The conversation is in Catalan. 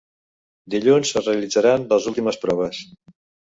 Dilluns es realitzaran les últimes proves.